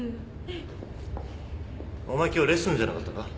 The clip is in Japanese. お前今日レッスンじゃなかったか？